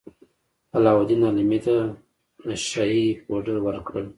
علاوالدین حلیمې ته نشه يي پوډر ورکړل.